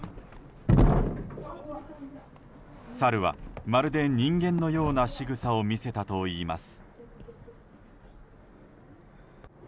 サルはまるで人間のようなしぐさを見せたといいます。